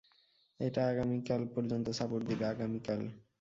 এটা আগামীকাল পর্যন্ত সাপোর্ট দিবে আগামীকাল?